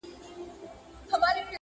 زه که نه سوم ته، د ځان په رنګ دي کم؛